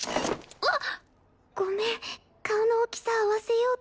あっ！